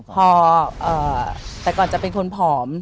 พอแต่ก่อนจะเป็นคนผอม